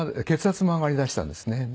血圧も上がりだしたんですね。